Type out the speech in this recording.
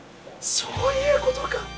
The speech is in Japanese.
そういうことか。